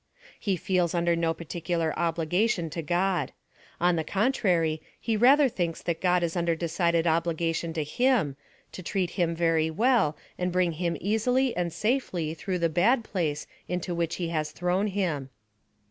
He feels under no particular obligation to God ; on the contrary, he rather thinks that God is under decided obligation to him, to treat him very well, and bring him easily and safe.y through the bad place into which he has thrown him.